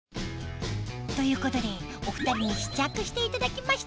ということでお二人に試着していただきました